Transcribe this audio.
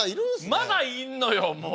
まだいんのよもう。